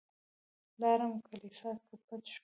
لاړم کليسا کې پټ شوم.